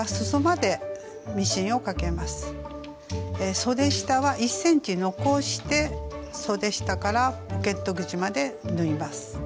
そで下は１ｃｍ残してそで下からポケット口まで縫います。